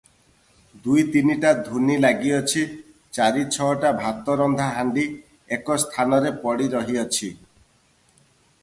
ଦୁଇ ତିନିଟା ଧୂନି ଲାଗିଅଛି, ଚାରି ଛଅଟା ଭାତରନ୍ଧା ହାଣ୍ଡି ଏକ ସ୍ଥାନରେ ପଡି ରହିଅଛି ।